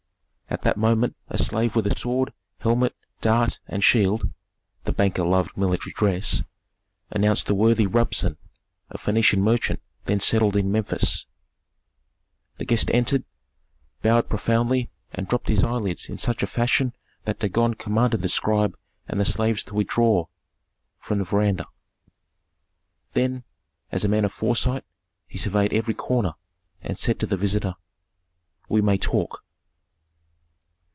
At that moment a slave with a sword, helmet, dart, and shield (the banker loved military dress), announced the worthy Rabsun, a Phœnician merchant then settled in Memphis. The guest entered, bowed profoundly, and dropped his eyelids in such fashion that Dagon commanded the scribe and the slaves to withdraw from the veranda. Then, as a man of foresight, he surveyed every corner, and said to the visitor, "We may talk."